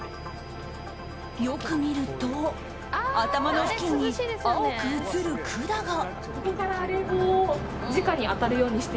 よく見ると頭の付近に青く映る管が。